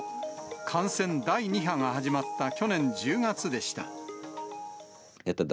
感染第２波が始まった去年１０月でした。